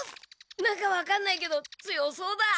なんか分かんないけど強そうだ！